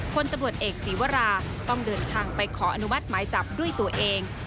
คนตำรวจเอกศีวราต้องเดินทางไปขออนุมัติหมายจับด้วยตัวเอง